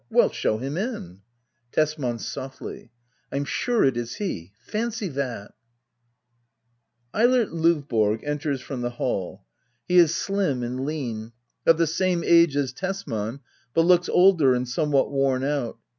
Well, show him in. Tesman. [Sofilif,] I'm sure it is he ! Fancy that ! EiLERT LOvBORo enters from the hall. He is sUm and lean; of the same age as Tesman, hut looks older and somewhat worn out.